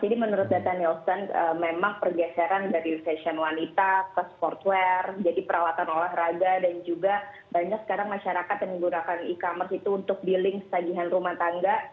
jadi menurut data nielsen memang pergeseran dari fashion wanita ke sportwear jadi perawatan olahraga dan juga banyak sekarang masyarakat yang menggunakan e commerce itu untuk di link sebagian rumah tangga